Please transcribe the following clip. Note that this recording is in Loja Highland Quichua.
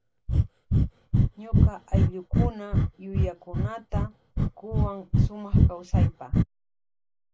Ñuka ayllukuna yuyakunata kuwan sumak kawsaypa.